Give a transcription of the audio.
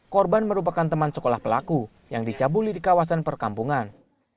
korban merupakan teman sekolah pelaku yang dicabuli di kawasan perkampungan